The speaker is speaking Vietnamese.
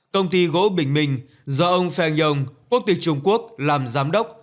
công ty gỗ bình minh do ông feng yong quốc tịch trung quốc làm giám đốc